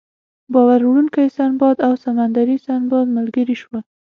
بار وړونکی سنباد او سمندري سنباد ملګري شول.